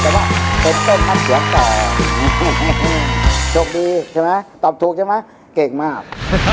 แต่ว่าเป็นต้นน้ำเสียงต่อโชคดีใช่ไหมตอบถูกใช่ไหมเก่งมาก